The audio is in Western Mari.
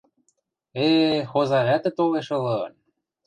— Э-э-э, хоза вӓтӹ толеш ылын!